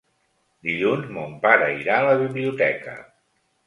Dilluns mon pare irà a la biblioteca.